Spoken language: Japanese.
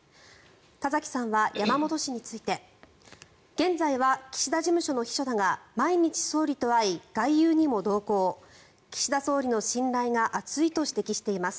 田崎さんは山本氏について現在は岸田事務所の秘書だが毎日、総理と会い外遊にも同行岸田総理の信頼が厚いと指摘しています。